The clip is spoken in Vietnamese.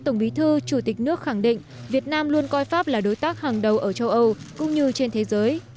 nước khẳng định việt nam luôn coi pháp là đối tác hàng đầu ở châu âu cũng như trên thế giới